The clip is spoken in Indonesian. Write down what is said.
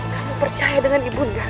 kamu percaya dengan ibu undah kan